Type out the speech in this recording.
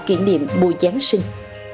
kiện điểm mùa giáng sinh